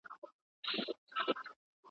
خو حیرانه یم چي دا دعدل کور دی .